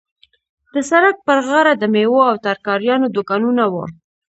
د سړک پر غاړه د میوو او ترکاریو دوکانونه وو.